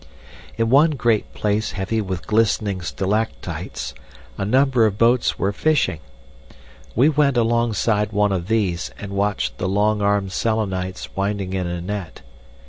"In one great place heavy with glistening stalactites a number of boats were fishing. We went alongside one of these and watched the long armed Selenites winding in a net.